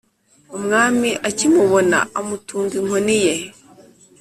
Umwami akimubona amutunga inkoni ye